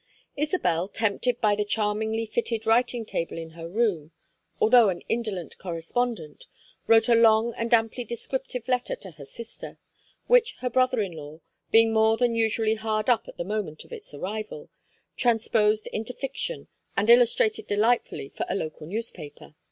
Isabel, tempted by the charmingly fitted writing table in her room, although an indolent correspondent, wrote a long and amply descriptive letter to her sister, which her brother in law, being more than usually hard up at the moment of its arrival, transposed into fiction and illustrated delightfully for a local newspaper.